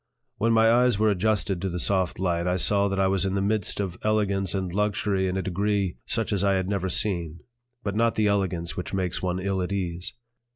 When my eyes were adjusted to the soft light, I saw that I was in the midst of elegance and luxury in a degree such as I had never seen; but not the elegance which makes one ill at ease.